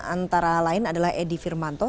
antara lain adalah edi firmanto